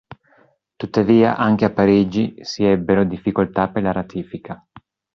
Tuttavia anche a Parigi si ebbero difficoltà per la ratifica.